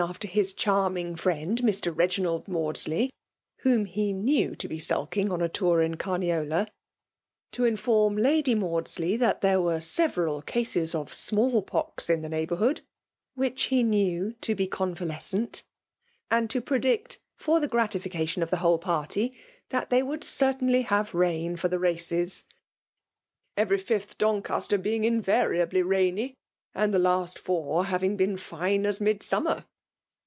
21 after his oharming friend Mr. Heginald Mauds ley (vliom he knew to be sulking on a tour in Camiola), to inform Lady Maudsley that tbexe were several cases of smallpox in the neighbourhood (which he knew to be convales eent), and to piredict, for the gratification of the whole party^ that they would certainly have rain for the races^ — "Every fifth Don castto being invariably rainy ^ and the last fiMir having been fine as Midsuinmer.'